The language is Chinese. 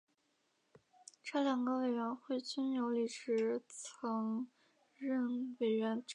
这两个委员会均由李石曾任委员长。